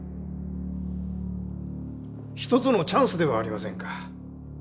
一つのチャンスではありませんか。